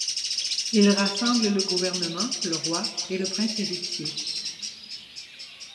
Il rassemble le gouvernement, le roi et le prince héritier.